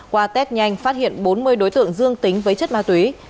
qua test nhanh phát hiện bốn mươi đối tượng dương tính với chất ma túy